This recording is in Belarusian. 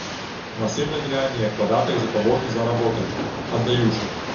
На сына гляне, як падатак за пабочны заработак аддаючы.